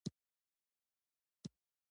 افغانستان د ژبو په برخه کې نړیوال شهرت لري.